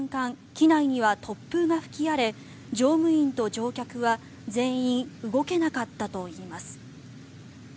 機内には突風が吹き荒れ乗務員と乗客は全員動けなかったといいます。